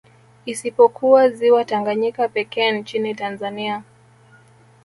Isipokuwa ziwa Tanganyika pekee nchini Tanzania